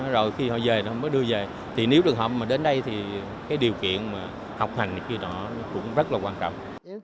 rồi khi họ về thì họ mới đưa về thì nếu được họ mà đến đây thì cái điều kiện học hành kia đó cũng rất là quan trọng